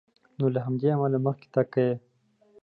نو له همدې امله مخکې تګ کوي.